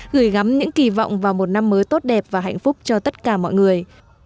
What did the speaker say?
gửi gắm những kỳ vọng vào một năm mới tốt đẹp và hạnh phúc cho tất cả mọi người